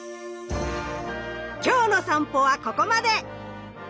今日の散歩はここまで！